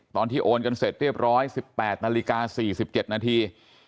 ตอนที่โอนกันเสร็จเรียบร้อย๑๘นาฬิกา๔๗นาที